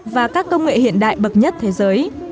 và các công nghệ hiện đại bậc nhất thế giới